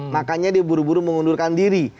makanya dia buru buru mengundurkan diri